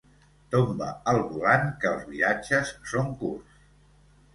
Tomba el volant, que els viratges són curts.